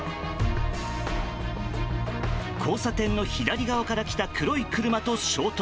交差点の左側から来た黒い車と衝突。